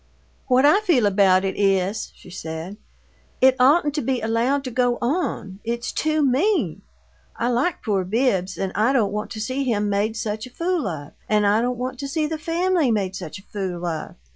"What I feel about it is," she said, "it oughtn't to be allowed to go on. It's too mean! I like poor Bibbs, and I don't want to see him made such a fool of, and I don't want to see the family made such a fool of!